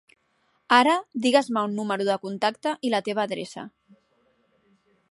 Ara digues-me un número de contacte i la teva adreça.